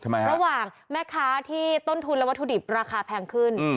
ระหว่างแม่ค้าที่ต้นทุนและวัตถุดิบราคาแพงขึ้น